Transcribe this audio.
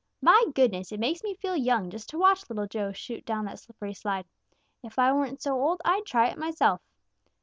My goodness, it makes me feel young just to watch Little Joe shoot down that slippery slide. If I weren't so old, I'd try it myself.